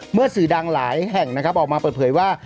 สื่อดังหลายแห่งนะครับออกมาเปิดเผยว่า